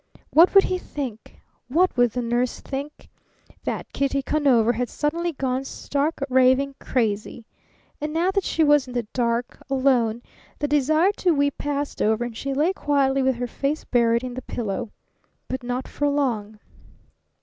What would he think? What would the nurse think? That Kitty Conover had suddenly gone stark, raving crazy! And now that she was in the dark, alone, the desire to weep passed over and she lay quietly with her face buried in the pillow. But not for long.